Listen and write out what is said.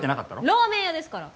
ラーメン屋ですから。